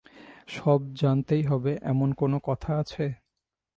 সব জানতেই হবে এমন কোনো কথা আছে?